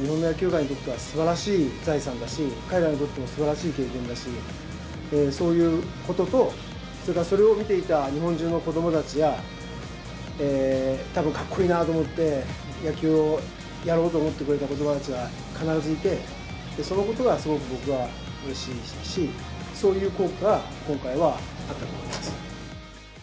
日本の野球界にとってはすばらしい財産だし、彼らにとってもすばらしい経験だし、そういうことと、それからそれを見ていた日本中の子どもたちや、たぶんかっこいいなと思って、野球をやろうと思ってくれた子どもたちは必ずいて、そのことがすごく僕は、うれしいし、そういう効果が今回はあったと思います。